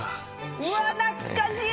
うわっ懐かしい！